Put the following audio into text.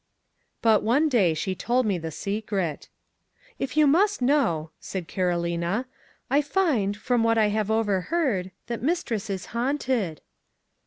But, one day she told me the secret. 'If you must know,' said Carolina, 'I find, from what I have overheard, that mistress is haunted.